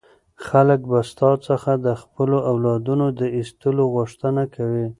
خلک به ستا څخه د خپلو اولادونو د ایستلو غوښتنه کوي.